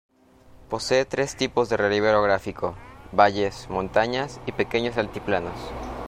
Posee tres tipos de relieve orográfico, valles, montañas y pequeños altiplanos.